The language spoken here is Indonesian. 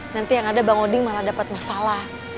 nanti yang ada bang odin malah dapet masalah